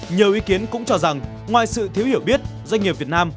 nhiều ý kiến cũng cho rằng ngoài sự thiếu hiểu biết doanh nghiệp việt nam